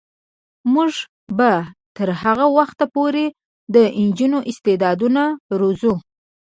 موږ به تر هغه وخته پورې د نجونو استعدادونه روزو.